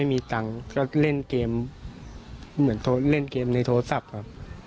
มียังไม่เล่นเกมในโทษับครับ